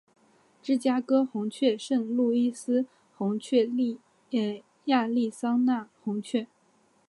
芝加哥红雀圣路易斯红雀亚利桑那红雀